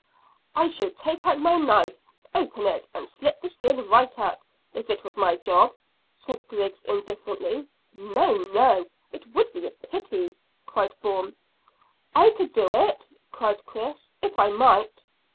"I should take out my knife, open it, and slit the skin right up, if it was my job," said Griggs indifferently. "No, no; it would be a pity," cried Bourne. "I could do it," cried Chris "if I might."